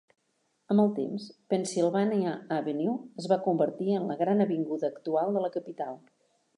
Amb el temps, Pennsylvania Avenue es va convertir en la "gran avinguda" actual de la capital.